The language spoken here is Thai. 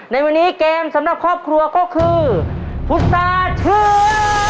ในวันนี้เกมสำหรับครอบครัวก็คือพุษาเชื่อ